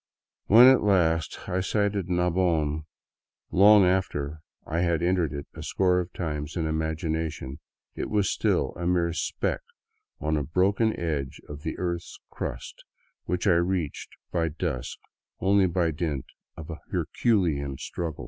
When at last I sighted Nabon, long after I had entered it a score of times in imagination, it was still a mere speck on a broken edge of the earth's crust which I reached by dusk only by dint of a herculean struggle.